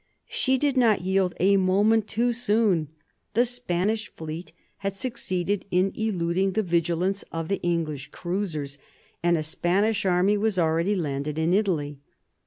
She did not yield a moment too soon. The Spanish fleet had succeeded in eluding the vigilance of the English cruisers, and a Spanish army was already landed in Italy.